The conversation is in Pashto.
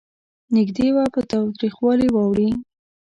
نږدې وه په تاوتریخوالي واوړي.